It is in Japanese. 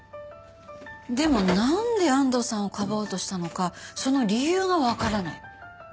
でもなんで安藤さんをかばおうとしたのかその理由がわからない。